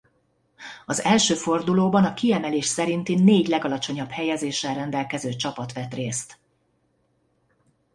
Az első fordulóban a kiemelés szerinti négy legalacsonyabb helyezéssel rendelkező csapat vett részt.